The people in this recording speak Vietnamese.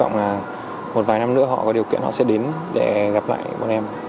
năm nữa họ có điều kiện họ sẽ đến để gặp lại con em